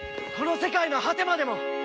この世界の果てまでも！